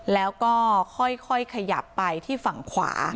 แล้วก็ค่อยขยับไปที่ฝั่งขวา